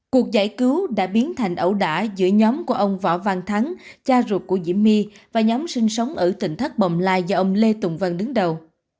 cuộc giải cứu đã biến thành ẩu đả giữa nhóm của ông võ văn thắng cha ruột của diễm my và nhóm sinh sống ở tỉnh thất bồng lai do ông lê tùng vân đứng đầu